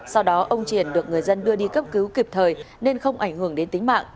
sau đó ông triển được người dân đưa đi cấp cứu kịp thời nên không ảnh hưởng đến tính mạng